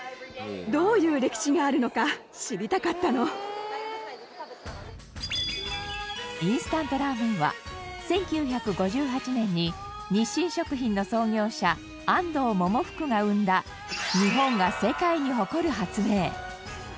外国人はインスタントラーメンは１９５８年に日清食品の創業者安藤百福が生んだ日本が世界に誇る発明。